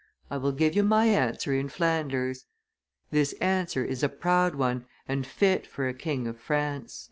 I will give you my answer in Flanders.' This answer is a proud one, and fit for a king of France."